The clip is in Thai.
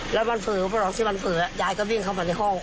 สุนัขที่มันเปลือยายก็วิ่งเข้ามาในห้อง